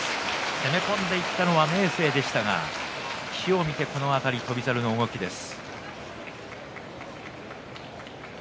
攻め込んでいったのは明生でしたが機を見て翔猿の動きです。